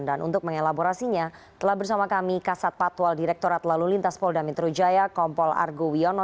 dan untuk mengelaborasinya telah bersama kami kasat patwal direkturat lalu lintas polda metro jaya kompol argo wiono